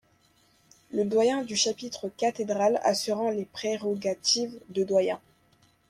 Le doyen du chapitre cathédral assurant les prérogatives de doyen.